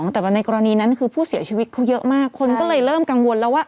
แต่ว่าในกรณีนั้นคือผู้เสียชีวิตเขาเยอะมากคนก็เลยเริ่มกังวลแล้วว่า